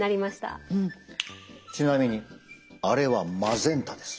ちなみにあれはマゼンタです。